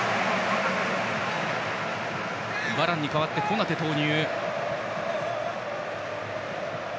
バランに代わって、コナテ投入。